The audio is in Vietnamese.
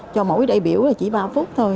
cho mỗi đại biểu là chỉ ba phút thôi